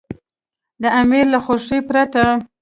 د امیر له خوښې پرته.